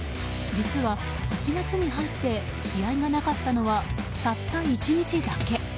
実は８月に入って試合がなかったのはたった１日だけ。